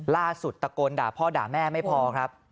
ตะโกนด่าพ่อด่าแม่ไม่พอครับ